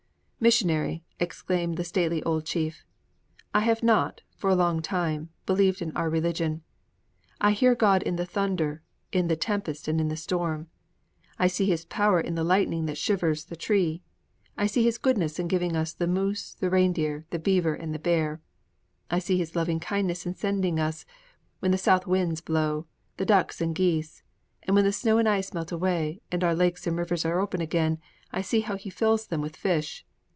'"Missionary," exclaimed the stately old chief, "I have not, for a long time, believed in our religion. I hear God in the thunder, in the tempest and in the storm: I see His power in the lightning that shivers the tree: I see His goodness in giving us the moose, the reindeer, the beaver, and the bear. I see His loving kindness in sending us, when the south winds blow, the ducks and geese; and when the snow and ice melt away, and our lakes and rivers are open again, I see how He fills them with fish.